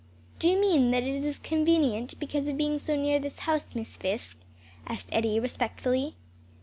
"Do you mean that it is convenient, because of being so near this house, Miss Fisk?" asked Eddie respectfully.